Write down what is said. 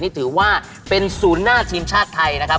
นี่ถือว่าเป็นศูนย์หน้าทีมชาติไทยนะครับ